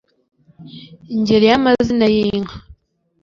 ingeri y’amazina y’inka